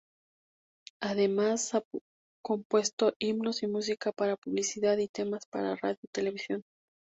Además ha compuesto himnos y música para publicidad y temas para radio y televisión.